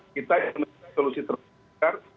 kita ingin mencari solusi terbaik